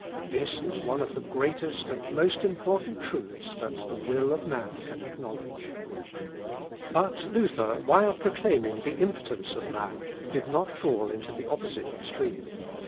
This is one of the greatest and most important truths that the will of man can acknowledge. But Luther, while proclaiming the impotence of man, did not fall into the opposite extreme.